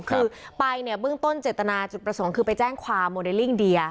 คือไปเนี่ยเบื้องต้นเจตนาจุดประสงค์คือไปแจ้งความโมเดลลิ่งเดีย